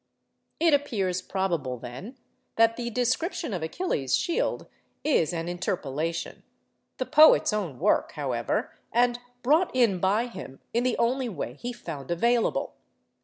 It appears probable, then, that the description of Achilles' Shield is an interpolation—the poet's own work, however, and brought in by him in the only way he found available.